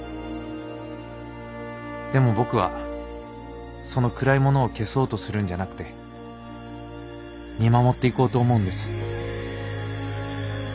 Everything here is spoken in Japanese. でも僕はその暗いものを消そうとするんじゃなくて見守っていこうと思うんです。